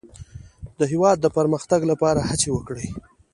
د هېواد د پرمختګ لپاره هڅې وکړئ.